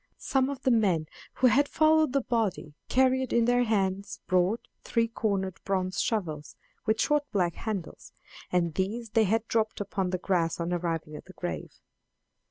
Some of the men who had followed the body carried in their hands broad, three cornered bronze shovels, with short black handles, and these they had dropped upon the grass on arriving at the grave.